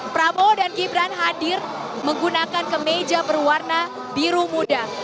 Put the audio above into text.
prabowo dan gibran hadir menggunakan kemeja berwarna biru muda